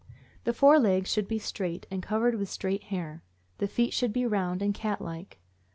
The fore legs should be straight, and covered with straight hair; the feet should be round and cat like.